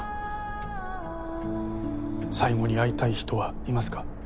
最後に会いたい人はいますか？